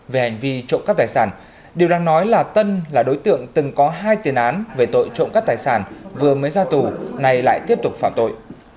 về hành vi trộm cắp tài sản điều đang nói là tân là đối tượng từng có hai tiền án về tội trộm cắp tài sản vừa mới ra tù nay lại tiếp tục phạm tội